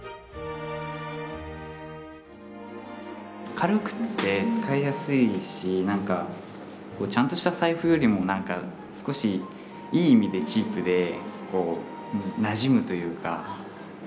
軽くって使いやすいし何かちゃんとした財布よりも何か少しいい意味でチープでなじむというか。